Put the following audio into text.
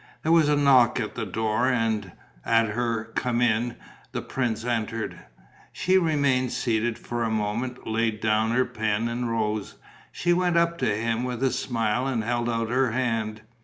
There was a knock at the door; and, at her "Come in," the prince entered. She remained seated for a moment, laid down her pen and rose. She went up to him with a smile and held out her hand.